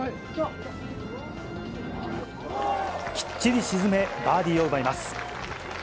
きっちり沈め、バーディーを奪います。